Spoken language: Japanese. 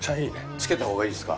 つけた方がいいですか？